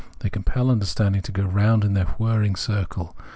They compel understanding to go round in their whirhng circle.